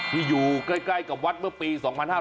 อยู่ใกล้กับวัดเมื่อปี๒๕๕๙